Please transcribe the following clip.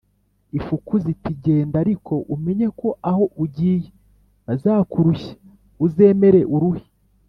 Ifuku ziti: "Genda ariko umenye ko aho ugiye bazakurushya, uzemere uruhe